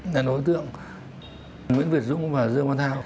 là đối tượng nguyễn việt dũng và dương văn thao